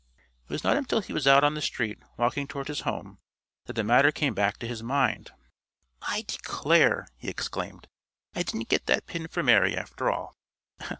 It was not until he was out on the street, walking toward his home, that the matter came back to his mind. "I declare!" he exclaimed. "I didn't get that pin for Mary, after all!